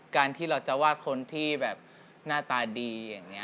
การที่เราจะวาดคนที่แบบหน้าตาดีอย่างนี้